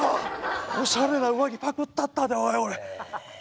おしゃれな上着パクったったでおい！